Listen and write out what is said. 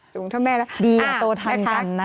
ดีนโตทันกันนะ